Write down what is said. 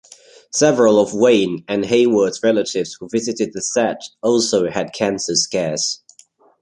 Several of Wayne and Hayward's relatives who visited the set also had cancer scares.